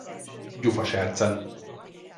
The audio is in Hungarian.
Gyufa sercen.